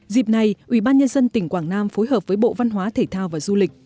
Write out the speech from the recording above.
dịp này ủy ban nhân dân tỉnh quảng nam phối hợp với bộ văn hóa thể thao và du lịch